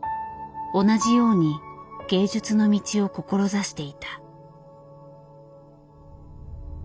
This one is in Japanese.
同じように芸術の道を志していた。